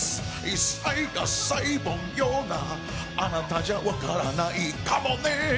一切合切凡庸なあなたじゃ分からないかもね。